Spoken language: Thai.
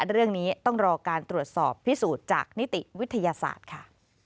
เรื่องนี้ต้องรอการตรวจสอบพิสูจน์จากนิติวิทยาศาสตร์ค่ะ